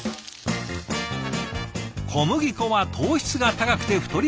小麦粉は糖質が高くて太りやすい。